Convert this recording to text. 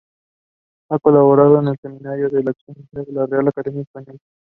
Ha colaborado en el Seminario de Lexicografía de la Real Academia Española.